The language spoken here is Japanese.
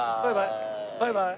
バイバーイ！